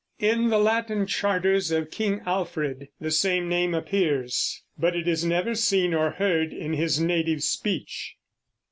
In the Latin charters of King Alfred the same name appears; but it is never seen or heard in his native speech.